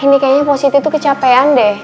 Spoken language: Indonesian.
ini kayaknya positif tuh kecapean deh